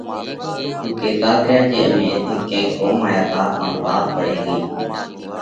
او ڪيتات ريا جي امي ايٿئہ ڪينڪ ڪوم آيا تا پڻ رات پڙي ڳئِي۔